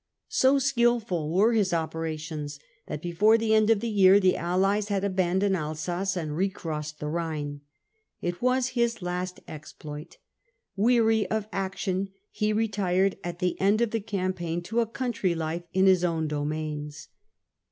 So skilful were his operations that before the end of the year the allies had abryidoned Alsace and recrossed the Rhine. It was his lastf exploit. Weary of action, he retired at the end of the campaign to a country life in his own domains.